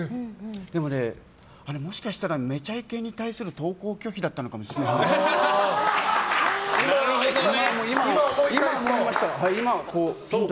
でもね、もしかしたら「めちゃイケ」に対する登校拒否だったのかもしれない。今、思い返すと。